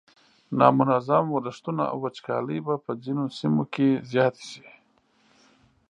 نامنظم ورښتونه او وچکالۍ به په ځینو سیمو کې زیاتې شي.